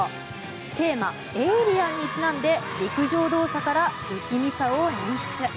テーマ「エイリアン」にちなんで陸上動作から不気味さを演出。